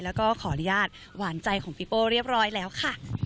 แล้วก็ขออนุญาตหวานใจของพี่โป้เรียบร้อยแล้วค่ะ